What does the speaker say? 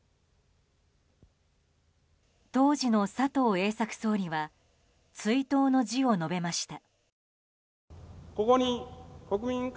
当時の佐藤栄作総理は追悼の辞を述べました。